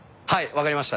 分かりました。